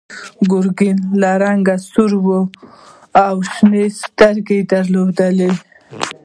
ګرګین له رنګه سور و او شنې سترګې یې درلودې.